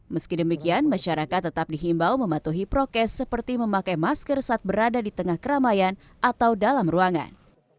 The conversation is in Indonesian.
meski demikian masyarakat tetap dihimbau mematuhi prokes seperti memakai masker saat berada di tengah keramaian atau dalam ruangan